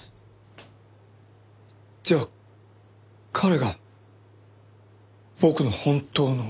じゃあ彼が僕の本当の。